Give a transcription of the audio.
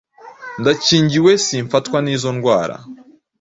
Ndakingiwe simfatwa nizo ndwara